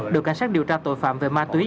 đội cảnh sát điều tra tội phạm về ma túy